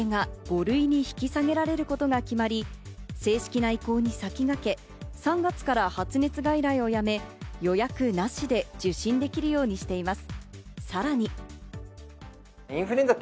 しかし新型コロナの位置付けが５類に引き下げられることが決まり、正式な移行に先駆け、３月から発熱外来をやめ、予約なしで受診できるようにしています。